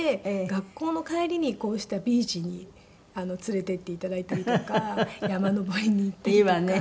学校の帰りにこうしたビーチに連れて行って頂いたりとか山登りに行ったりとか。